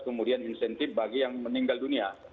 kemudian insentif bagi yang meninggal dunia